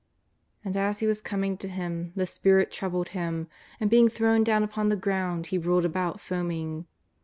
And as he was coming to Him the spirit troubled him, and being thrown down upon the ground, he rolled about foaming.